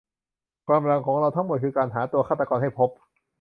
ความหวังของเราทั้งหมดคือการหาตัวฆาตรกรให้พบ